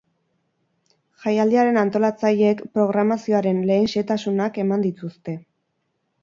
Jaialdiaren antolatzaileek programazioaren lehen xehetasunak eman dituzte.